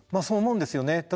そう思うんですよね。